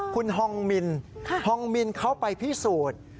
คุณฮองมินฮองมินเขาไปพิสูจน์